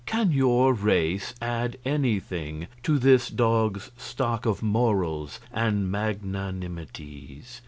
Can your race add anything to this dog's stock of morals and magnanimities?"